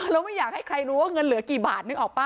เราไม่อยากให้ใครรู้ว่าเงินเหลือกี่บาทนึกออกป่